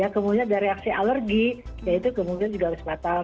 kemudian ada reaksi alergi ya itu kemungkinan juga harus batal